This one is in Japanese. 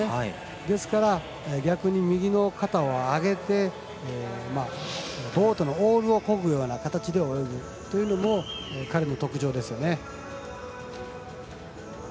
ですから、逆に右の肩を上げてボートのオールをこぐような形で泳ぐというのも彼の特徴ですよね。